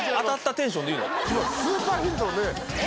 今スーパーヒントをね。